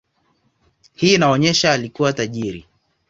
Hii inaonyesha alikuwa tajiri.